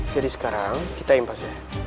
jadi sekarang kita impas ya